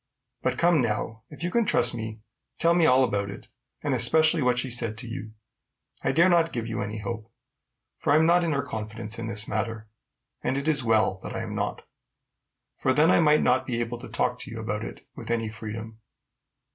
But come, now, if you can trust me, tell me all about it, and especially what she said to you. I dare not give you any hope, for I am not in her confidence in this matter; and it is well that I am not, for then I might not be able to talk to you about it with any freedom.